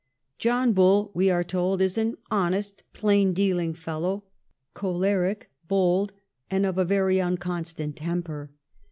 John Bull, we are told, is 'an honest, plain dealing fellow, choleric, bold, and of a very un constant temper.'